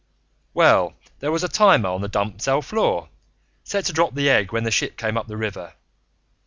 "Well, there was a timer on the dump cell floor, set to drop the egg when the ship came up the river.